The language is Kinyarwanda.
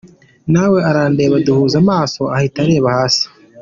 Nawe arandeba duhuza amaso ahita areba hasi.